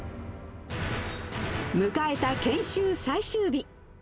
迎えた研修最終日。